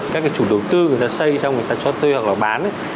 các cái chủ đầu tư người ta xây xong người ta cho thuê hoặc là bán